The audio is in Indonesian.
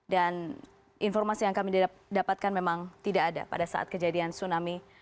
dan informasi yang kami dapat dapatkan memang tidak ada pada saat kejadian tsunami